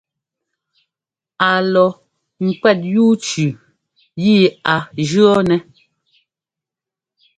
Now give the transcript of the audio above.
A lɔ kwɛ́t yú cʉʉ yi a jʉ̈ nɛ́.